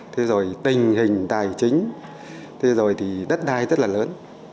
thế rồi tình hình tài chính thế rồi thì đất đai rất là lớn